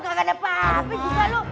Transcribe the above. gak ada apa apa juga lo